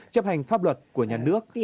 chấp hành pháp luật của nhà nước